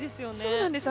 そうなんです。